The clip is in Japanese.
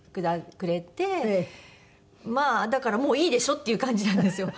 まあだからもういいでしょっていう感じなんですよ。